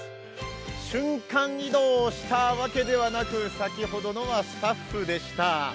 瞬間移動したわけではなく、先ほどのはスタッフでした。